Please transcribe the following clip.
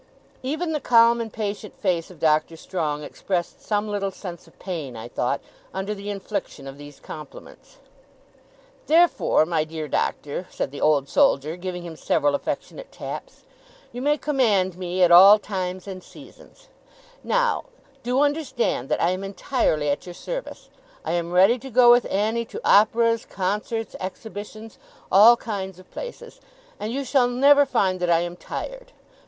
Even the calm and patient face of Doctor Strong expressed some little sense of pain, I thought, under the infliction of these compliments. 'Therefore, my dear Doctor,' said the Old Soldier, giving him several affectionate taps, 'you may command me, at all times and seasons. Now, do understand that I am entirely at your service. I am ready to go with Annie to operas, concerts, exhibitions, all kinds of places; and you shall never find that I am tired.